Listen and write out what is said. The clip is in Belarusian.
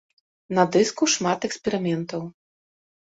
На дыску шмат эксперыментаў.